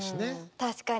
確かに。